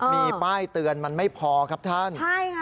มีป้ายเตือนมันไม่พอครับท่านใช่ค่ะ